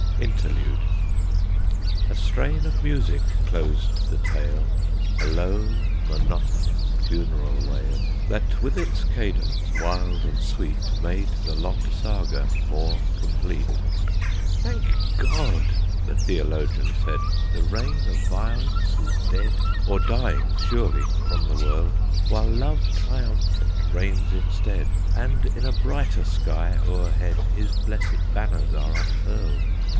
INTERLUDE. A strain of music closed the tale, A low, monotonous, funeral wail, That with its cadence, wild and sweet, Made the long Saga more complete. "Thank God," the Theologian said, "The reign of violence is dead, Or dying surely from the world; While Love triumphant reigns instead, And in a brighter sky o'erhead His blessed banners are unfurled.